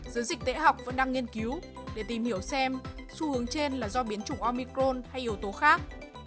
giới dịch tễ học vẫn đang nghiên cứu để tìm hiểu xem xu hướng trên là do biến chủng omicron hay yếu tố khác